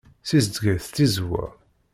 Ssizedget tizewwa.